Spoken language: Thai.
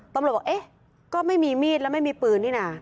ตำรวจเบลงก็ไม่มีมีดและไม่มีปืนนี่นะ